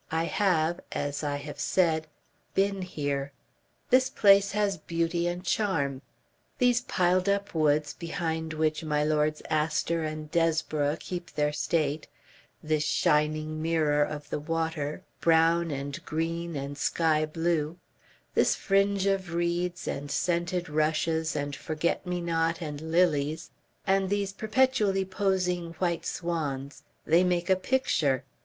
I have, as I have said BEEN HERE. This place has beauty and charm; these piled up woods behind which my Lords Astor and Desborough keep their state, this shining mirror of the water, brown and green and sky blue, this fringe of reeds and scented rushes and forget me not and lilies, and these perpetually posing white swans: they make a picture.